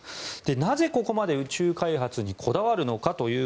なぜ、ここまで宇宙開発にこだわるのか。